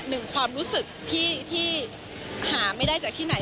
หนึ่งความรู้สึกที่หาไม่ได้จากที่ไหน